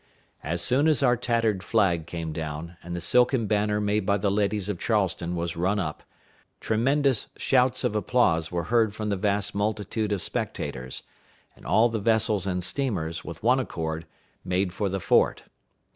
As soon as our tattered flag came down, and the silken banner made by the ladies of Charleston was run up, tremendous shouts of applause were heard from the vast multitude of spectators; and all the vessels and steamers, with one accord, made for the fort.